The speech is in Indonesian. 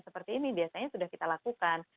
seperti ini biasanya sudah kita lakukan